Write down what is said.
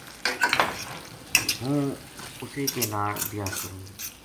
ہوں اسے کے ناڑ بیاہ کروں گی ‘‘